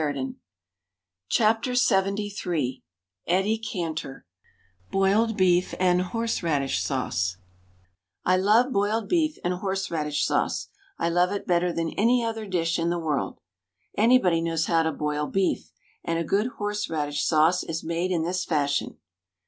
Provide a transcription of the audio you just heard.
THE STAG COOK BOOK LXXIII Eddie Cantor BOILED BEEF AND HORSERADISH SAUCE I love boiled beef and horseradish sauce — I love it better than any other dish in the world! Anybody knows how to boil beef. And a good horse radish sauce is made in this fashion.